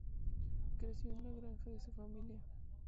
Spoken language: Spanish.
Creció en la granja de su familia.